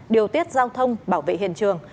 điều tiết giao thông bảo vệ hiện trường